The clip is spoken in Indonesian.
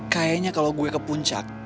kayaknya kalau gue ke puncak